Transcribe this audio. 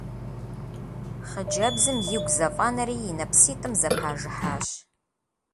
Хъыджэбзым игу зэфӏэнэри и нэпситӏым зэпажыхьащ.